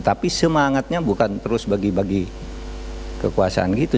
tapi semangatnya bukan terus bagi bagi kekuasaan gitu